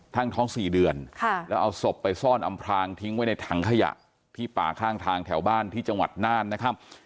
ทั้งท้อง๔เดือนแล้วเอาศพไปซ่อนอำพลางทิ้งไว้ในถังขยะที่ป่าข้างทางแถวบ้านที่จังหวัดน่านนะครับ